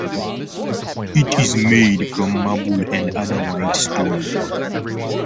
It is made from marble and other white stone.